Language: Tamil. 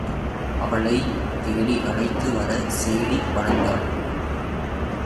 அவளைத் தேடி அழைத்துவர, சேடி பறந்தாள்.